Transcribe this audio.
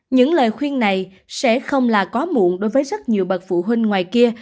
những lời khuyên này sẽ không là có muộn đối với rất nhiều bậc phụ huynh ngoài kia